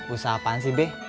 usaha apaan sih be